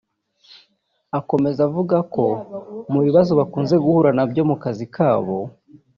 Akomeza avuga ko mu bibazo bakunze guhura na byo mu kazi kabo